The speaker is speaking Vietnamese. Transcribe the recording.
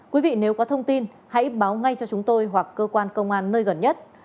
quý vị nếu có thông tin hãy báo ngay cho chúng tôi hoặc cơ quan công an nơi gần nhất